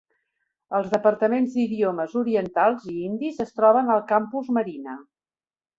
Els departaments d'idiomes orientals i indis es troben al Campus Marina.